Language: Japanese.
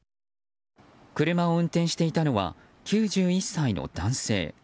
車を運転していたのは９１歳の男性。